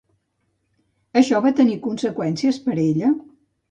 Això va tenir conseqüències per a ella?